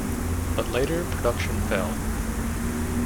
But later production fell.